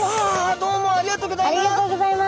ありがとうございます。